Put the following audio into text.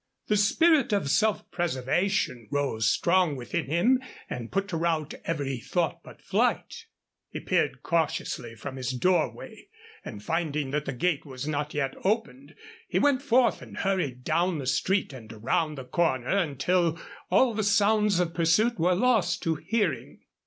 The spirit of self preservation rose strong within him and put to rout every thought but flight. He peered cautiously from his doorway, and, finding that the gate was not yet opened, he went forth and hurried down the street and around the corner until all the sounds of pursuit were lost to hearing.